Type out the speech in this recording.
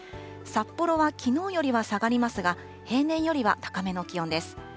札幌はきのうよりは下がりますが、平年よりは高めの気温です。